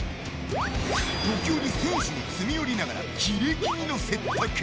時折、選手に詰め寄りながらキレ気味の説得。